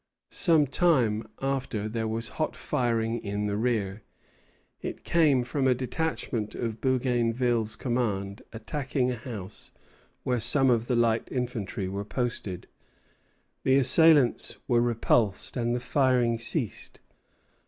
Some time after there was hot firing in the rear. It came from a detachment of Bougainville's command attacking a house where some of the light infantry were posted. The assailants were repulsed, and the firing ceased.